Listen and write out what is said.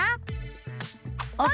ＯＫ！